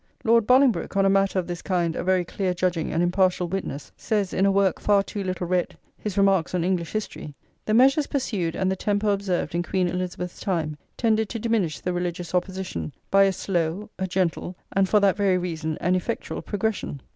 Lord Bolingbroke, on a matter of this kind a very clear judging and impartial witness, says, in a work far too little read, his Remarks on English History: " The measures pursued and the temper observed in Queen Elizabeth's time tended to diminish the religious opposition by a slow, a gentle, and for that very reason an effectual progression.